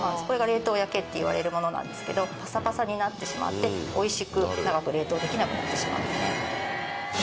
これが冷凍焼けっていわれるものなんですけどパサパサになってしまっておいしく長く冷凍できなくなってしまうんですね。